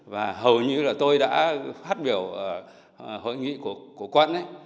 và hầu như là tôi đã phát biểu hội nghị của quận